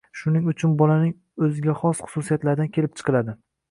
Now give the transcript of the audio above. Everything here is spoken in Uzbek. Shuning uchun bolaning o‘ziga xos xususiyatlaridan kelib chiqiladi.